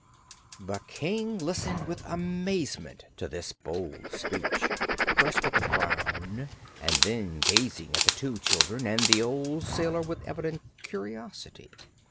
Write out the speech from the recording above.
The King listened with amazement to this bold speech, first with a frown and then gazing at the two children and the old sailor with evident curiosity.